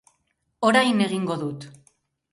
Orain egingo dut.